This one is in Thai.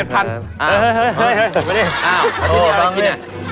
เฮ้ยเฮ้ยมานี่เอาพี่นี้อะไรกินอ่ะปังนี่